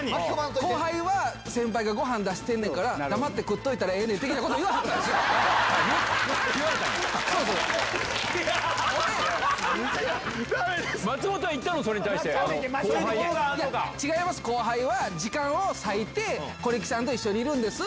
後輩は先輩がごはん出してんねんから、黙って食っといたらええねん的なことを言われたんですよ。